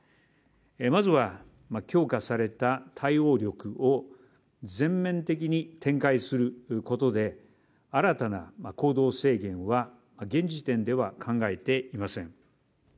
まずは強化された対応力を全面的に展開することで新たな行動制限は、現時点では考えていません。